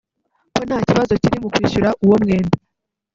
ko nta kibazo kiri mu kwishyura uwo mwenda